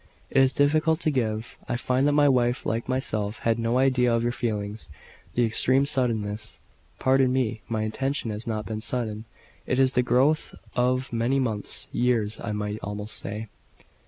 "It is difficult to give. I find that my wife, like myself, had no idea of your feelings. The extreme suddenness " "Pardon me; my intention has not been sudden. It is the growth of many months years, I might almost say."